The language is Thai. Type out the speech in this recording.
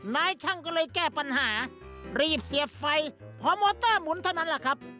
นายช่างก็เลยแก้ปัญหารีบเสียบไฟพอมอเตอร์หมุนเท่านั้นแหละครับ